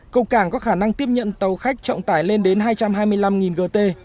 cầu cảng có khả năng tiếp nhận tàu khách trọng tải lên đến hai trăm hai mươi năm gt